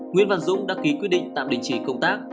nguyễn văn dũng đã ký quyết định tạm định trì công tác